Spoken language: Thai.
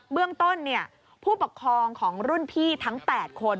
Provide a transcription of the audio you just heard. เรื่องต้นผู้ปกครองของรุ่นพี่ทั้ง๘คน